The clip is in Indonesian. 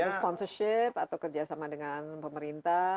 ini sponsorship atau kerjasama dengan pemerintah